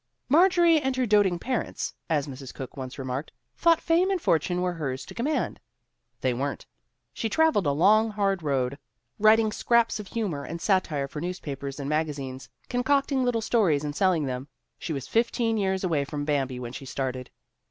"Marjorie and her doting parents," as Mrs. Cooke once remarked, "thought fame and fortune were hers to command." They weren't. She traveled a long, hard road, writing scraps of humor and satire for newspapers and magazines, concocting little stories and selling them. She was fifteen years away from Bambi when she started.